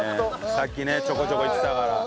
さっきねちょこちょこいってたから。